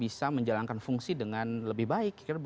bisa menjalankan fungsi dengan lebih baik